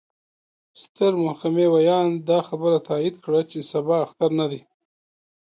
ستر محكمې وياند: دا خبره تايد کړه، چې سبا اختر نه دې.